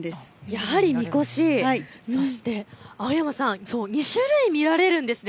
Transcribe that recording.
やはり神輿、そして青山さん、２種類見られるんですよね。